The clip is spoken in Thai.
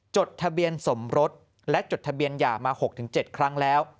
จดทะเบียนสมรสและจดทะเบียนหย่ามา๖๗ครั้งแล้ว